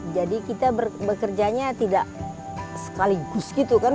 jadi kita bekerjanya tidak sekaligus gitu kan